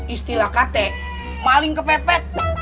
istilah kate maling kepepet